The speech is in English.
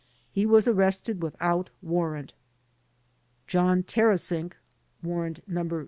He was arrested without warrant. John Tarasink (Warrant No.